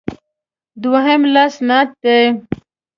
دویم لوست نعت دی.